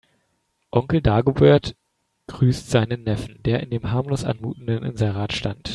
Onkel Dagobert grüßt seinen Neffen, der in dem harmlos anmutenden Inserat stand.